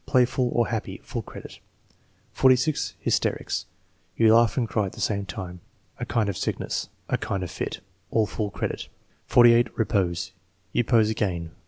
"Playful" or "happy." (Full credit.) 46. Hysterics. "You laugh and cry at the same time." "A kind of sickness." "A kind of fit." (All full credit.) 48. Eepose. "You pose again."